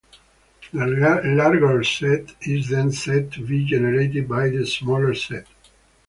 The larger set is then said to be generated by the smaller set.